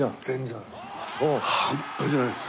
半端じゃないです。